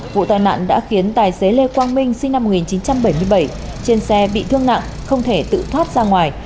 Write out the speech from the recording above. vụ tai nạn đã khiến tài xế lê quang minh sinh năm một nghìn chín trăm bảy mươi bảy trên xe bị thương nặng không thể tự thoát ra ngoài